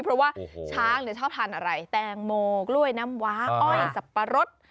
เพราะว่าช้างชอบทานอะไรแตงโมกล้วยน้ำว้าอ้อยสับปะรด